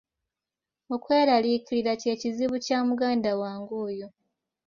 Okweraliikirira kye kizibu kya muganda wange oyo.